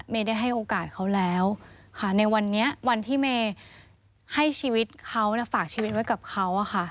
ได้ให้โอกาสเขาแล้วค่ะในวันนี้วันที่เมย์ให้ชีวิตเขาฝากชีวิตไว้กับเขาอะค่ะ